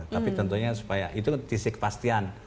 tapi tentunya supaya itu sisi kepastian